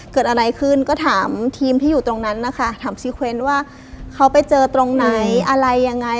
เกิดอะไรขึ้นก็ถามทีมที่อยู่ตรงนั้นนะคะถามซีเคเวนว่าเขาไปเจอตรงไหนอะไรยังไง